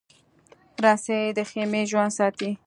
رسۍ د خېمې ژوند ساتي.